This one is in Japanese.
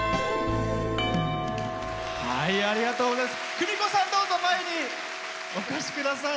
クミコさん、どうぞ前にお越しください。